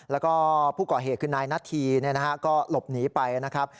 แล้วก็ผู้ก่อเหตุคือนายนาธีก็หลบหนีไปนะครับ